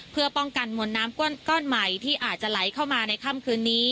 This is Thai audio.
เพื่อป้องกันมวลน้ำก้อนใหม่ที่อาจจะไหลเข้ามาในค่ำคืนนี้